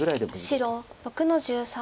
白６の十三。